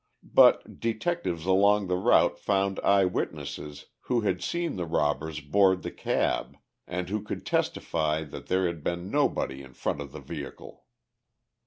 But detectives along the route found eye witnesses who had seen the robbers board the cab, and who could testify that there had been nobody in front of the vehicle.